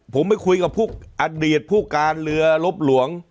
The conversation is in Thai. ผมไปคุยกับพวกอดีตผู้การเรือลบหลวง